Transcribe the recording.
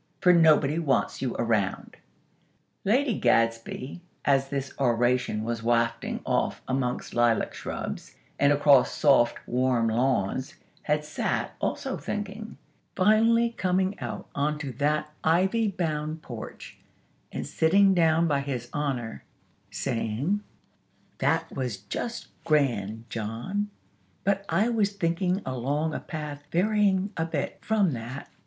_ For nobody wants you around!" Lady Gadsby, as this oration was wafting off amongst lilac shrubs, and across soft, warm lawns, had sat, also thinking; finally coming out onto that ivy bound porch, and sitting down by His Honor, saying: "That was just grand, John, but I was thinking along a path varying a bit from that.